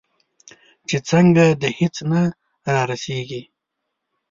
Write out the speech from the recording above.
چې څنګه؟ د هیڅ نه رازیږې